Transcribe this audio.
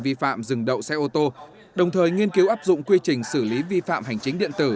vi phạm dừng đậu xe ô tô đồng thời nghiên cứu áp dụng quy trình xử lý vi phạm hành chính điện tử